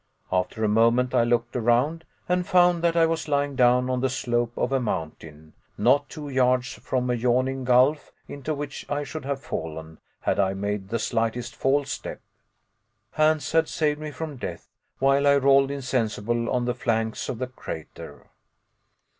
After a moment I looked around, and found that I was lying down on the slope of a mountain not two yards from a yawning gulf into which I should have fallen had I made the slightest false step. Hans had saved me from death, while I rolled insensible on the flanks of the crater.